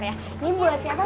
ini buat siapa